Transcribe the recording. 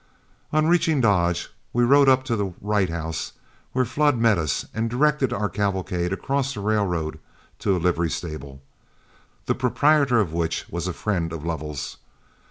On reaching Dodge, we rode up to the Wright House, where Flood met us and directed our cavalcade across the railroad to a livery stable, the proprietor of which was a friend of Lovell's.